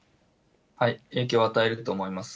影響を与えると思います。